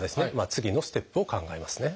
次のステップを考えますね。